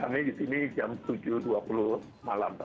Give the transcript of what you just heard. kami di sini jam tujuh dua puluh malam